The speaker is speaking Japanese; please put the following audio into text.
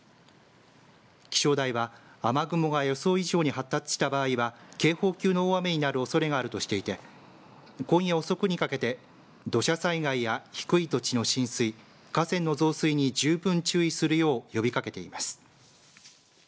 気象台は、雨雲が予想以上に発達した場合は警報級の大雨になるおそれがあるとしていて今夜遅くにかけて土砂災害や低い土地の浸水河川の増水に十分注意するよう呼びかけています。